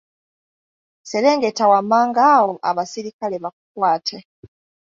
Serengeta wammanga awo abaserikale bakukwate.